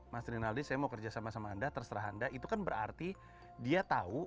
mas rinaldi saya mau kerja sama sama anda terserah anda itu kan berarti dia tahu